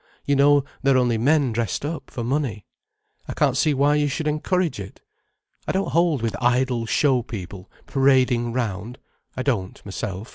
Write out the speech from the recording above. You know they're only men dressed up, for money. I can't see why you should encourage it. I don't hold with idle show people, parading round, I don't, myself.